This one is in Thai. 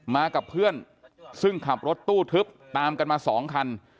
มากับเพื่อนซึ่งขับรถตู้ทึบตามกันมา๒คัน